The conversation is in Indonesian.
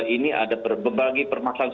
ini ada membagi permasalahan